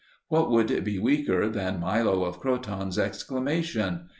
What could be weaker than Milo of Croton's exclamation?